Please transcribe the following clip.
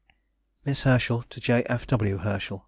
MISS HERSCHEL TO J. F. W. HERSCHEL.